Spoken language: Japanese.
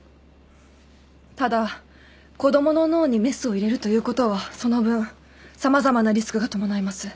ただ子供の脳にメスを入れるということはその分様々なリスクが伴います。